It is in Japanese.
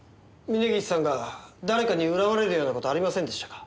峰岸さんが誰かに恨まれるような事はありませんでしたか？